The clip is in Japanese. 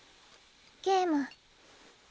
ゲーム。